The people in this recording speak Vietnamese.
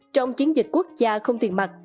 trong chiến dịch quốc gia không tiền mặt